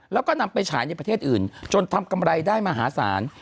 แล้วก็นำไปฉายในประเทศอื่นจนทำกำไรได้มหาศาล